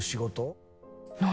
何？